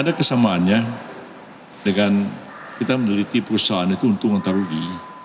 ada kesamaannya dengan kita meneliti perusahaan itu untung antara rugi